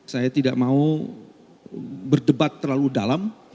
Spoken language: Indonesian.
saya tidak mau berdebat terlalu dalam